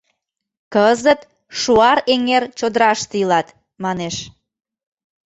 Кызыт Шуар эҥер чодыраште илат, манеш.